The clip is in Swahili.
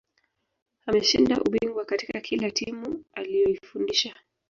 ameshinda ubingwa katika kila timu aliyoifundisha